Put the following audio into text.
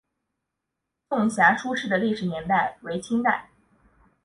颂遐书室的历史年代为清代。